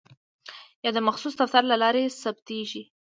یا د مخصوص دفتر له لارې ثبتیږي.